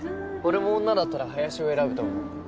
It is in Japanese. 俺も女だったら林を選ぶと思う。